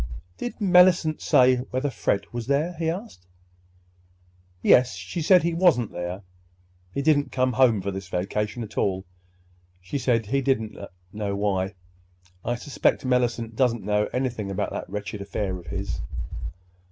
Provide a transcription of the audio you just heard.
"Did Mellicent say—whether Fred was there?" he asked. "Yes. She said he wasn't there. He didn't come home for this vacation at all. She said she didn't know why. I suspect Mellicent doesn't know anything about that wretched affair of his."